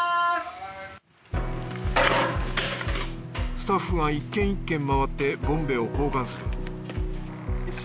スタッフが一軒一軒まわってボンベを交換するよし。